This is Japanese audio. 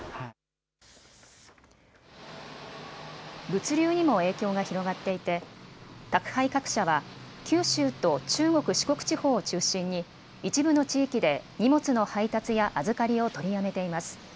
物流にも影響が広がっていて宅配各社は九州と中国・四国地方を中心に一部の地域で荷物の配達や預かりを取りやめています。